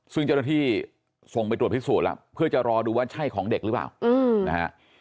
ซึ่งเจ้าหน้าที่ส่งไปตรวจพิสูจน์แล้วเพื่อจะรอดูว่าใช่ของเด็กหรือเปล่านะฮะ